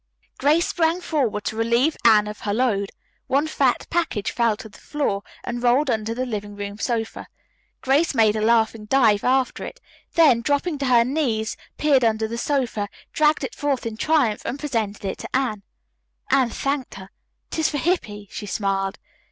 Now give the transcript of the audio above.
Grace sprang forward to relieve Anne of her load. One fat package fell to the floor and rolled under the living room sofa. Grace made a laughing dive after it. Then, dropping to her knees, peered under the sofa, dragged it forth in triumph and presented it to Anne. Anne thanked her. "It is for Hippy," she smiled.